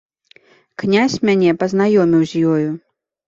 Князь мяне пазнаёміў з ёю.